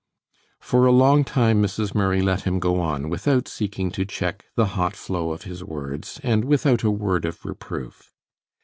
For a long time Mrs. Murray let him go on without seeking to check the hot flow of his words and without a word of reproof.